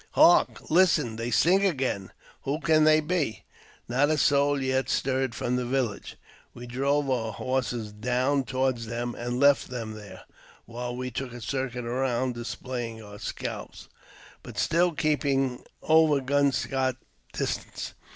"Hark! listen! they sing again ! Who can they be ?" Not a soul yet stirred from the village. We drove our horses down toward them, and left them there, while we took a circuit around, displaying our scalps, but still keeping over gunshot distance.